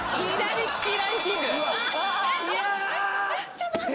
ちょっと待って！